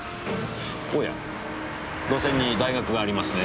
おや路線に大学がありますね。